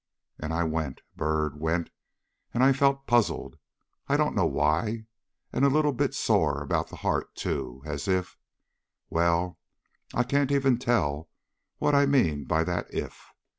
And I went, Byrd, went; and I felt puzzled, I don't know why, and a little bit sore about the heart, too, as if Well, I can't even tell what I mean by that if.